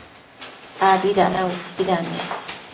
abi dada uaiquida ne?